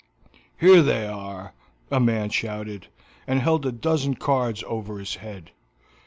"Here they are!" a man shouted, and held a dozen cards over his head.